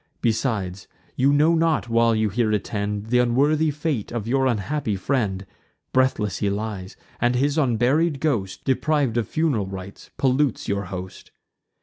Besides, you know not, while you here attend, Th' unworthy fate of your unhappy friend: Breathless he lies; and his unburied ghost, Depriv'd of fun'ral rites, pollutes your host.